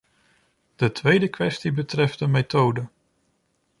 De tweede kwestie betreft de methode.